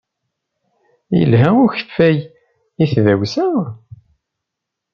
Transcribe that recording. Yelha ukeffay i tdawsa?